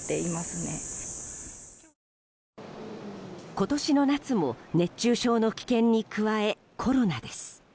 今年の夏も熱中症の危険に加えコロナです。